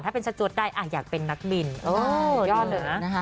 ถ้าเป็นสตรวจได้อยากเป็นนักบินโอ้ยยอดเลยนะ